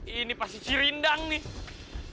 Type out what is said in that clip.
ini pasti cirindang nih